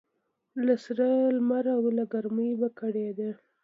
له سره لمر او له ګرمۍ به کړېدله